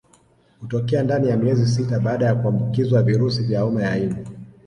Hutokea ndani ya miezi sita baada kuambukizwa virusi vya homa ya ini